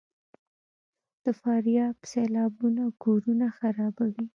د فاریاب سیلابونه کورونه خرابوي؟